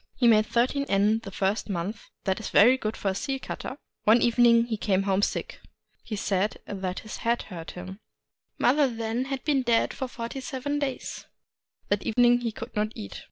He made thirteen yen the first month ;— that is very good for a seal cutter. One evening he came home sick : he said that his head hurt him. Mother had then been dead forty seven days. That evening he could not eat.